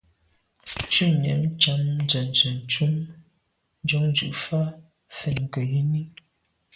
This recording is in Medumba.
Shutnyàm tshan nzenze ntùm njon dù’ fa fèn ke yen i.